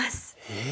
え